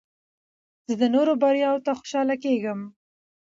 زه د نورو بریاوو ته خوشحاله کېږم.